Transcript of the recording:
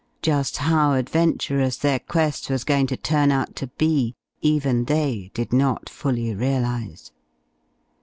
Just how adventurous their quest was going to turn out to be even they did not fully realize.